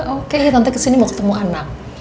oke tante ke sini mau ketemu anak